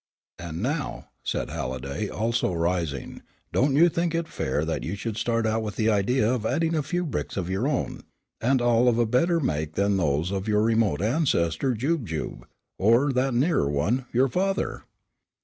"And now," said Halliday, also rising, "don't you think it fair that you should start out with the idea of adding a few bricks of your own, and all of a better make than those of your remote ancestor, Jujube, or that nearer one, your father?"